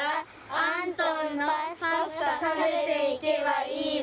「アントンのパスタ食べていけばいいべ」